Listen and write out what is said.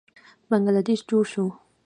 بنګله دیش جوړ شو.